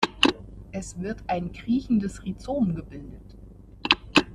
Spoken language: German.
Es wird ein kriechendes Rhizom gebildet.